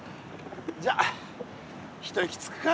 じゃあ一息つくか。